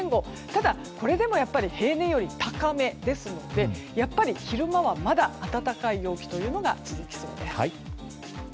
ただ、これでも平年より高めですので昼間はまだ暖かい陽気が続きそうです。